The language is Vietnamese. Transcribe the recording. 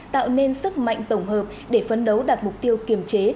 tạo nên sức mạnh tổng hợp để phấn đấu đạt mục tiêu kiểm chế